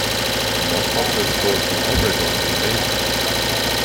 The most popular sport in Obregon is baseball.